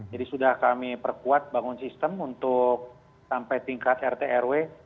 jadi sudah kami perkuat bangun sistem untuk sampai tingkat rt rw